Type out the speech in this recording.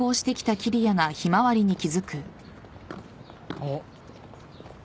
あっ。